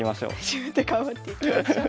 自分で頑張っていきましょう。